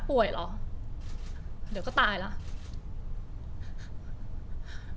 แต่ว่าตายแล้ว